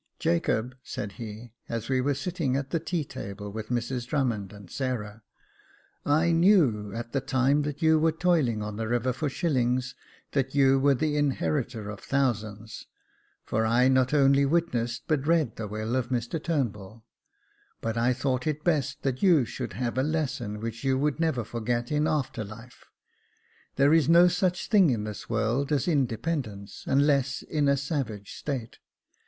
"Jacob," said he, as we were sitting at the tea table with Mrs Drummond and Sarah, " I knew at the time that you were toiling on the river for shillings that you were the inheritor of thousands ; for I not only witnessed but read the will of Mr Turnbull ; but I thought it best that you should have a lesson which you would never forget in after life. There is no such thing in this world as inde pendence, unless in a savage state.